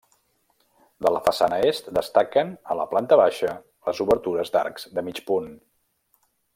De la façana est destaquen, a la planta baixa, les obertures d'arcs de mig punt.